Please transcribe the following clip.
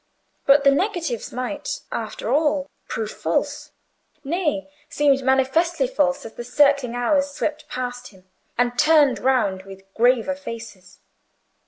But the negatives might, after all, prove false; nay, seemed manifestly false, as the circling hours swept past him, and turned round with graver faces.